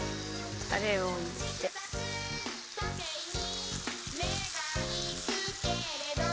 「時計に目がいくけれど」